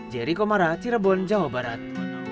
jericho mara cirebon jawa barat